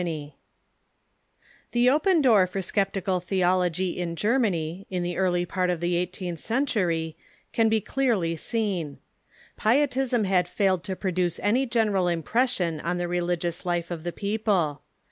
] TiiE open door for sceptical theology in Germany in the early part of the eighteenth century can be clearlj"^ seen. Pie tism had failed to produce any general impression on the relig ious life of the people.